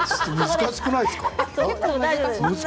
難しくないですか？